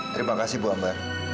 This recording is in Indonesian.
terima kasih bu ambar